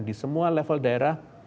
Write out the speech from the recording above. di semua level daerah